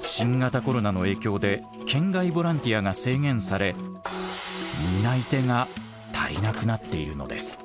新型コロナの影響で県外ボランティアが制限され担い手が足りなくなっているのです。